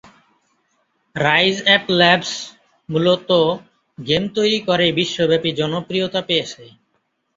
Rise Up Labs মূলত game তৈরি করেই বিশ্বব্যাপী জনপ্রিয়তা পেয়েছে।